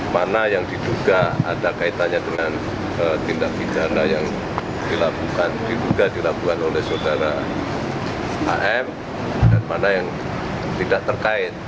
mana yang diduga ada kaitannya dengan tindak pidana yang diduga dilakukan oleh saudara am dan mana yang tidak terkait